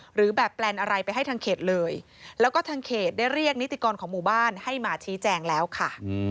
หรือแบบแปลนอะไรไปให้ทางเขตเลยแล้วก็ทางเขตได้เรียกนิติกรของหมู่บ้านให้มาชี้แจงแล้วค่ะ